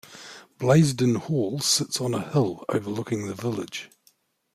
Blaisdon Hall sits on a hill overlooking the village.